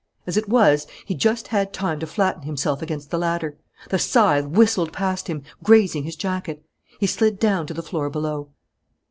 As it was, he just had time to flatten himself against the ladder. The scythe whistled past him, grazing his jacket. He slid down to the floor below.